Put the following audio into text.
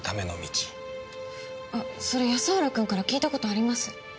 あっそれ安原君から聞いたことあります。